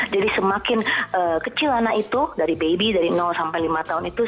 jadi semakin kecil anak itu dari baby dari sampai lima tahun itu